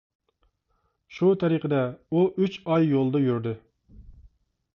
شۇ تەرىقىدە ئۇ ئۈچ ئاي يولدا يۈردى.